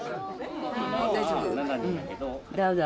どうぞ。